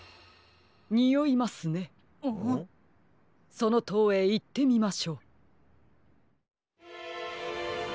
そのとうへいってみましょう。